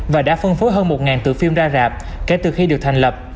và đã phân phối hơn một tựa phim ra rạp kể từ khi được thành lập